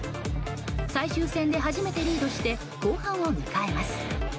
最終戦で初めてリードして後半を迎えます。